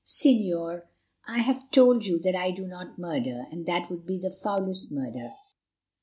"Señor, I have told you that I do not murder, and that would be the foulest murder.